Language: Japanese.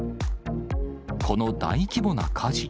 この大規模な火事。